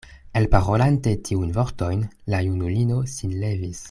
Elparolante tiujn vortojn, la junulino sin levis.